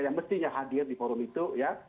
yang mestinya hadir di forum itu ya